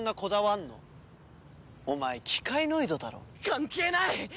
関係ない！